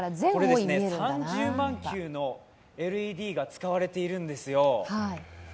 ３０万球のＬＥＤが使われているんですよ。